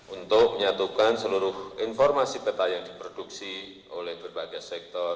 untuk menyatukan seluruh informasi peta yang diproduksi oleh berbagai sektor